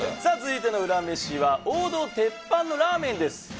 さあ続いてのウラ飯は王道鉄板のラーメンです。